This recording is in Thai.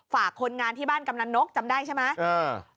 คนงานที่บ้านกำนันนกจำได้ใช่ไหม